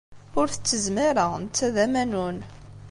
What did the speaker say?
Ur t-ttezzem ara, netta d amanun.